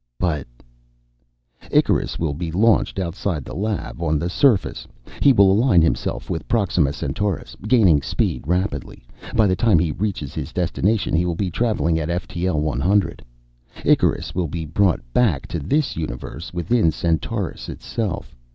"But " "Icarus will be launched outside the lab, on the surface. He will align himself with Proxima Centaurus, gaining speed rapidly. By the time he reaches his destination he will be traveling at ftl 100. Icarus will be brought back to this universe within Centaurus itself.